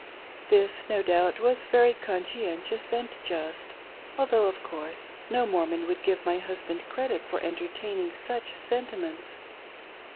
This, no doubt, was very conscientious and just; although, of course, no Mormon would give my husband credit for en tertaining such sentiments.